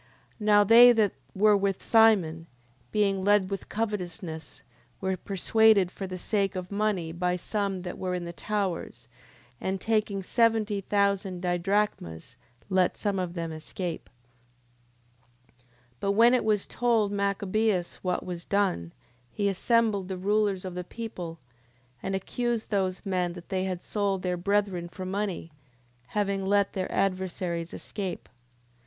10:20. Now they that were with Simon, being led with covetousness, were persuaded for the sake of money by some that were in the towers: and taking seventy thousand didrachmas, let some of them escape. 10:21. But when it was told Machabeus what was done, he assembled the rulers of the people, and accused those men that they had sold their brethren for money, having let their adversaries escape. 10:22.